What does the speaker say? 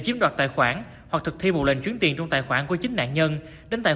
thu thập tài khoản hoặc thực thi một lần chuyến tiền trong tài khoản của chính nạn nhân đến tài